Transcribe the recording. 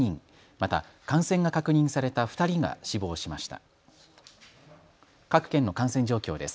また感染が確認された２人が死亡しました。